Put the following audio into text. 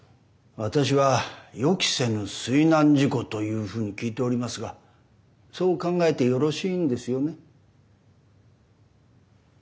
私は予期せぬ水難事故というふうに聞いておりますがそう考えてよろしいんですよね？